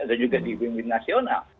dan juga pemimpin nasional